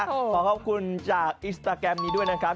ขอขอบคุณจากอินสตาแกรมนี้ด้วยนะครับ